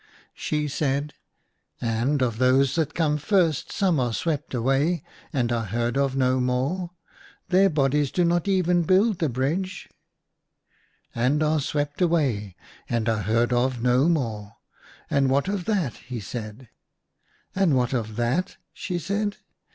She said, " And, of those that come first, some are swept away, and are heard of no more ; their bodies do not even build the bridge }''" And are swept away, and are heard of no more — and what of that ?" he said. THREE DREAMS IN A DESERT. 83 And what of that " she said.